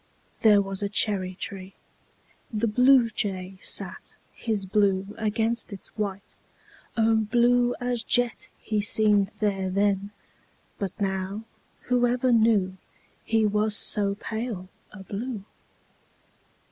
There was a cherry tree. The Bluejay sat His blue against its white O blue as jet He seemed there then! But now Whoever knew He was so pale a blue!